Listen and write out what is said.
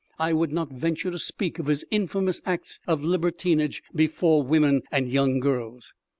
I would not venture to speak of his infamous acts of libertinage before women and young girls."